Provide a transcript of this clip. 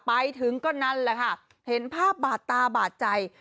ไปถึงก็นั่นแหละค่ะเห็นภาพบาดตาบาดใจ